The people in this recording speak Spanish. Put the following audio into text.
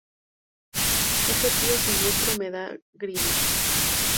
Ese tío siniestro me da grima